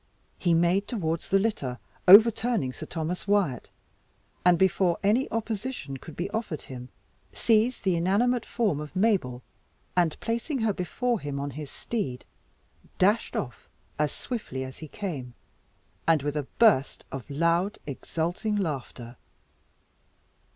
He made towards the litter, over turning Sir Thomas Wyat, and before any opposition could be offered him, seized the inanimate form of Mabel, and placing her before him on his steed, dashed off as swiftly as he came, and with a burst of loud, exulting laughter.